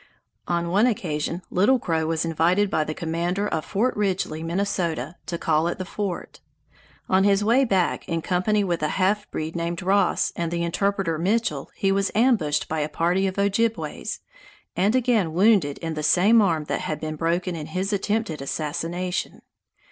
On one occasion Little Crow was invited by the commander of Fort Ridgeley, Minnesota, to call at the fort. On his way back, in company with a half breed named Ross and the interpreter Mitchell, he was ambushed by a party of Ojibways, and again wounded in the same arm that had been broken in his attempted assassination.